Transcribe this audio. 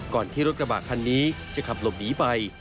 ที่รถกระบะคันนี้จะขับหลบหนีไป